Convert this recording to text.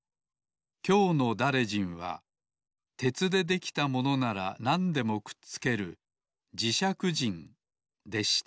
きょうのだれじんは鉄でできたものならなんでもくっつけるじしゃくじんでした